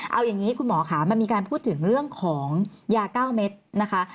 เอาอย่างนี้คุณหมอค่ะมันมีการพูดถึงเรื่องของยา๙เม็ดนะคะ